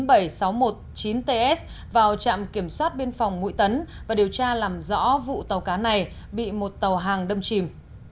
tàu cá bd chín mươi bảy nghìn sáu trăm một mươi chín ts vào trạm kiểm soát biên phòng mũi tấn và điều tra làm rõ vụ tàu cá này bị một tàu hàng đâm chìm